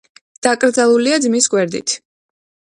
დაკრძალულია ძმის გვერდით.